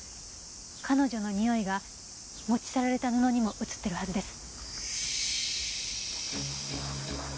彼女のにおいが持ち去られた布にも移ってるはずです。